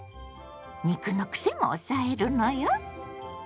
肉のクセも抑えるのよ。